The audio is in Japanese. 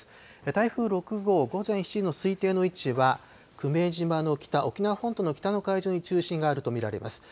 台風６号、午前７時の推定の位置は久米島の北、沖縄本島の北の海上に中心があると見られます。